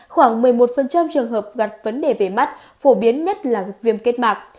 khoảng một mươi một trường hợp gặp vấn đề về mắt phổ biến nhất là viêm kết mạc